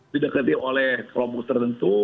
tidak ketik oleh kelompok tertentu